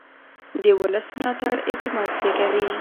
د ولس ملاتړ اعتماد زېږوي